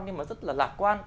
nhưng mà rất là lạc quan